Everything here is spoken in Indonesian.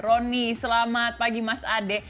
roni selamat pagi mas ade